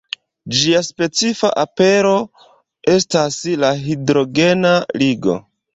Ĝia specifa apero estas la hidrogena ligo.